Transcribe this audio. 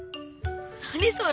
何それ？